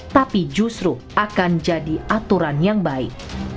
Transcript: tapi justru akan jadi aturan yang baik